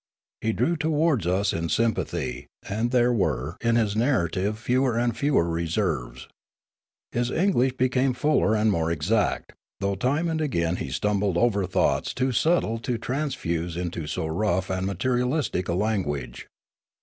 He drew to wards us in sympathy, and there were in his narrative fewer and fewer reserves. His English became fuller and more exact, though time and again he stumbled over thoughts too subtle to transfuse into so rough and materialistic a language.